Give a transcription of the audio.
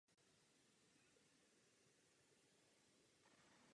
Náboj má také menší zpětný ráz.